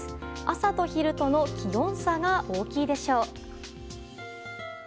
朝と昼との気温差が大きいでしょう。